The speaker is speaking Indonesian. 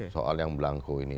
soal yang melangkau ini